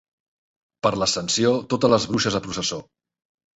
Per l'Ascensió totes les bruixes a processó.